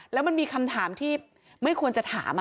แล้วมันมีคำถามที่ไม่ควรจะถาม